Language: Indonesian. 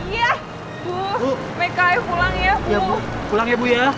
ya bu pulang ya bu ya